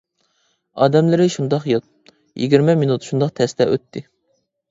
ئادەملىرى شۇنداق يات، يىگىرمە مىنۇت شۇنداق تەستە ئۆتتى.